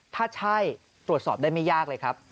ถ้าใช่ตรวจสอบได้ไม่ยากเลยครับ